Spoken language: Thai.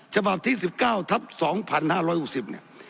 ฉบับที่๑๙ทับ๒๕๖๐เนี่ย